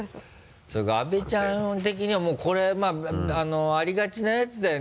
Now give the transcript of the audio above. そうか阿部ちゃん的にはもうこれありがちなやつだよね